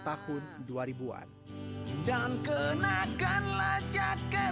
tahun dua ribu an dan kenakanlah jaket